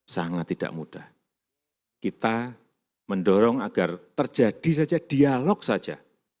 sangat tidak mudah kita mendorong agar terjadi saja dialog saja